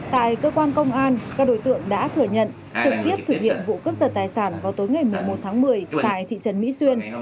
tại cơ quan công an các đối tượng đã thừa nhận trực tiếp thực hiện vụ cướp giật tài sản vào tối ngày một mươi một tháng một mươi tại thị trấn mỹ xuyên